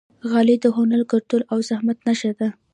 غالۍ د هنر، کلتور او زحمت نښه ده.